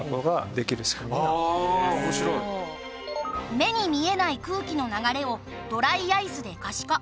目に見えない空気の流れをドライアイスで可視化。